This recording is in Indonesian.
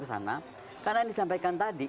ke sana karena yang disampaikan tadi